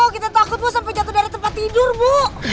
kita takut bu sampai jatuh dari tempat tidur bu